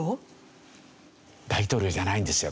大統領じゃないんですよ